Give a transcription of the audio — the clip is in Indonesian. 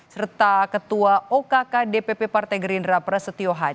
serta ketua okk dpp partai gerindra prasetyo hai